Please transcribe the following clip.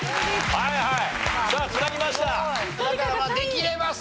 はいはい。